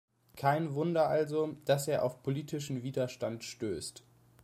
Kein Wunder also, dass er auf politischen Widerstand stößt.